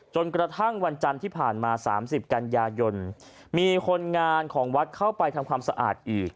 จนกระทั่งวันจันทร์ที่ผ่านมา๓๐กันยายนมีคนงานของวัดเข้าไปทำความสะอาดอีก